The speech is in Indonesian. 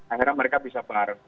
akhirnya mereka bisa berharap